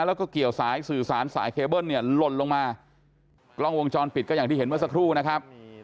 แล้วก็เกี่ยวสายสื่อสารสายเคเบิ้ลเนี่ยหล่นลงมากล้องวงจรปิดก็อย่างที่เห็นเมื่อสักครู่นะครับ